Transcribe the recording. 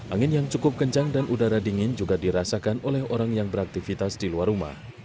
angin yang cukup kencang dan udara dingin juga dirasakan oleh orang yang beraktivitas di luar rumah